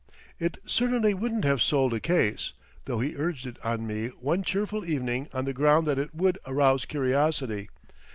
It certainly wouldn't have sold a case, though he urged it on me one cheerful evening on the ground that it would "arouse curiosity."